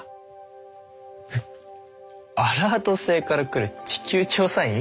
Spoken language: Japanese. えっアラート星から来る地球調査員？